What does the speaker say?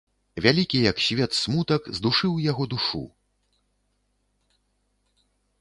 Вялікі, як свет, смутак здушыў яго душу.